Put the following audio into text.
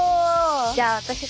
じゃあ私が。